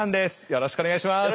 よろしくお願いします。